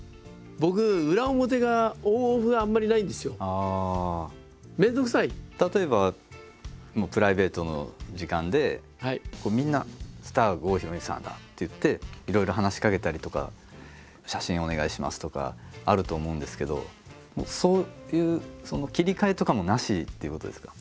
僕裏表が例えばプライベートの時間でみんな「スター郷ひろみさんだ」って言っていろいろ話しかけたりとか「写真お願いします」とかあると思うんですけどそういう切り替えとかもなしっていうことですか？